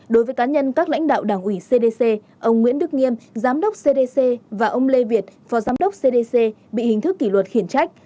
đối với cá nhân các lãnh đạo đảng ủy cdc ông nguyễn đức nghiêm giám đốc cdc và ông lê việt phó giám đốc cdc bị hình thức kỷ luật khiển trách